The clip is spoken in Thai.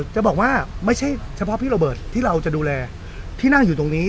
จะบอกว่าไม่ใช่เฉพาะพี่โรเบิร์ตที่เราจะดูแลที่นั่งอยู่ตรงนี้